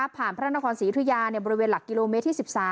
พระนครศรียุธยาบริเวณหลักกิโลเมตรที่๑๓